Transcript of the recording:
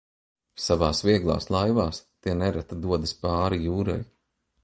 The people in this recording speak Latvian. Savās vieglās laivās tie nereti dodas pāri jūrai.